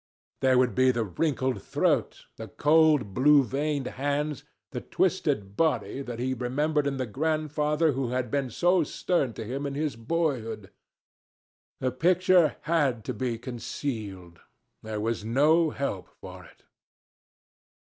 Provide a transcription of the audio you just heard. There would be the wrinkled throat, the cold, blue veined hands, the twisted body, that he remembered in the grandfather who had been so stern to him in his boyhood. The picture had to be concealed. There was no help for it.